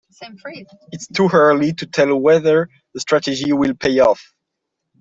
It's too early to tell whether the strategy will pay off.